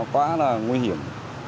quá là nguy hiểm